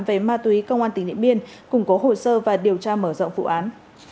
về ma túy công an tỉnh điện biên củng cố hồ sơ và điều tra mở rộng vụ án